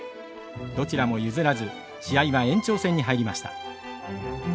どちらも譲らず試合は延長戦に入りました。